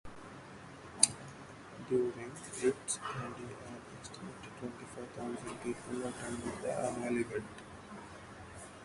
During its heyday an estimated twenty-five thousand people attended the annual event.